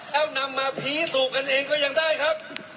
ถ้านำมาผีสุดกันเอง